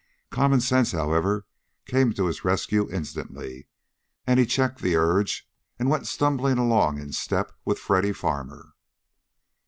Common sense, however, came to his rescue instantly and he checked the urge and went stumbling along in step with Freddy Farmer.